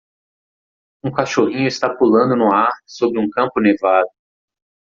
Um cachorrinho está pulando no ar sobre um campo nevado.